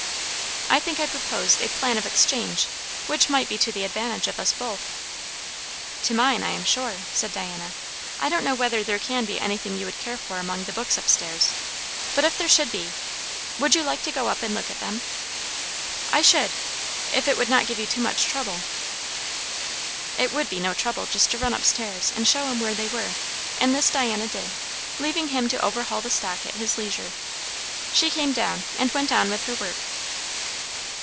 "I think I proposed a plan of exchange, which might be to the advantage of us both." "To mine, I am sure," said Diana. "I don't know whether there can be anything you would care for among the books up stairs; but if there should be Would you like to go up and look at them?" "I should, if it would not give you too much trouble." It would be no trouble just to run up stairs and show him where they were; and this Diana did, leaving him to overhaul the stock at his leisure. She came down and went on with her work.